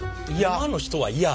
今の人は嫌。